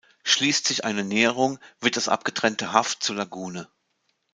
Schließt sich eine Nehrung, wird das abgetrennte Haff zur Lagune.